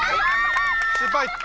失敗。